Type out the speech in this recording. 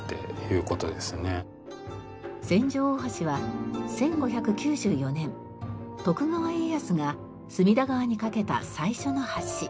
千住大橋は１５９４年徳川家康が隅田川に架けた最初の橋。